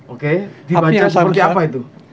oke dibaca seperti apa itu